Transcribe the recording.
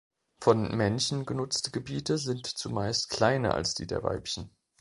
Von Männchen genutzte Gebiete sind zumeist kleiner als die der Weibchen.